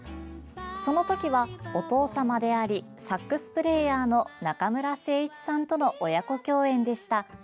そのときは、お父様でありサックスプレーヤーの中村誠一さんとの親子共演でした。